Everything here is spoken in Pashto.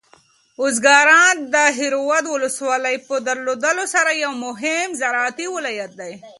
ارزګان د دهراود ولسوالۍ په درلودلو سره یو مهم زراعتي ولایت دی.